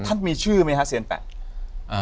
ท่านมีชื่อมั้ยฮะเซียนแปะ